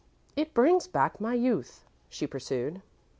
"It brings back my youth," she pursued.